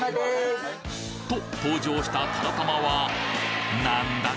と登場したたらたまは何だ？